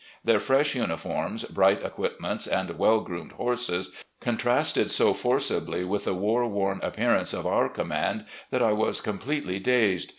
Their fresh uniforms, Jjright equipments and well groomed horses contrasted so forcibly with the war worn appearance of our command that I was completely dazed.